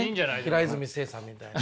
平泉成さんみたいな。